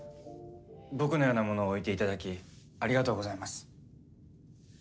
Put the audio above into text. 僕のような者を置いて頂きありがとうございます。